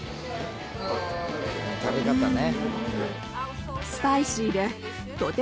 食べ方ね。